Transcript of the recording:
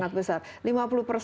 terlalu banyak ya